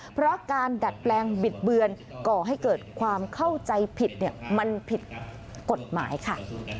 เพราะการดัดแปลงบิดเบือนก่อให้เกิดความเข้าใจผิดมันผิดกฎหมายค่ะ